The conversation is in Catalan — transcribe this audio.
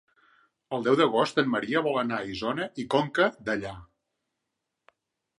El deu d'agost en Maria vol anar a Isona i Conca Dellà.